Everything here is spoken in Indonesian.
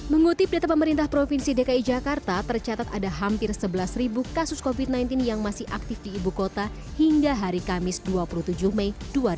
mengutip data pemerintah provinsi dki jakarta tercatat ada hampir sebelas kasus covid sembilan belas yang masih aktif di ibu kota hingga hari kamis dua puluh tujuh mei dua ribu dua puluh